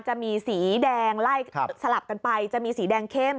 จะมีสีแดงไล่สลับกันไปจะมีสีแดงเข้ม